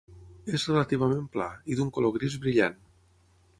És relativament pla, i d'un color gris brillant.